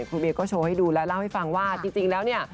คุณเบียก็โชว์ให้ดูและเล่าให้ฟังว่าจริงแล้วเนี่ย